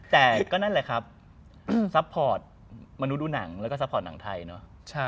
แต่ก็นั่นแหละครับซัพพอร์ตมนุษย์ดูหนังแล้วก็ซัพพอร์ตหนังไทยเนอะ